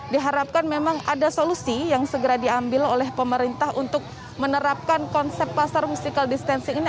diharapkan memang ada solusi yang segera diambil oleh pemerintah untuk menerapkan konsep pasar physical distancing ini